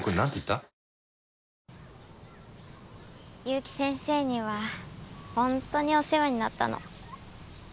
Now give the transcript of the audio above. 結城先生にはホントにお世話になったの。